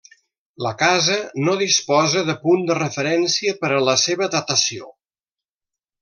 La casa no disposa de punt de referència per a la seva datació.